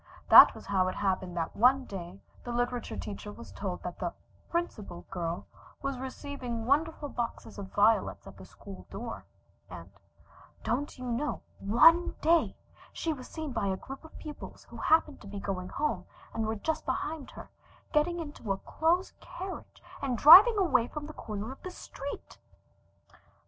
That was how it happened that one day the literature teacher was told that the "Principal Girl" was receiving wonderful boxes of violets at the school door, and "Don't you know ONE DAY she was seen by a group of pupils who happened to be going home, and were just behind her, getting into a closed carriage and driving away from the corner of the street!"